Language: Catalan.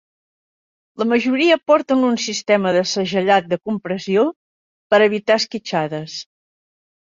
La majoria porten un sistema de segellat de compressió per evitar esquitxades.